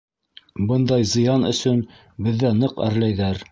Бындай зыян өсөн беҙҙә ныҡ әрләйҙәр.